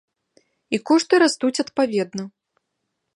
І кошты растуць адпаведна.